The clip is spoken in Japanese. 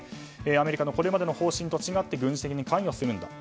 アメリカのこれまでの方針と違って軍事的に関与するんだと。